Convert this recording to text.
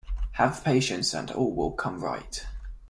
Have patience and all will come right.